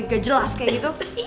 gak jelas kayak gitu